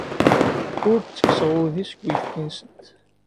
Ur d-ttekkseɣ udi seg uyefki-nsent.